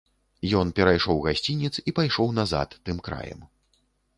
Ён перайшоў гасцінец і пайшоў назад тым краем.